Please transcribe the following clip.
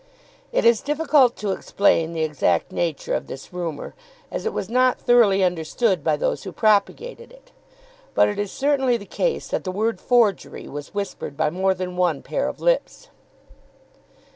It is difficult to explain the exact nature of this rumour, as it was not thoroughly understood by those who propagated it. But it is certainly the case that the word forgery was whispered by more than one pair of lips.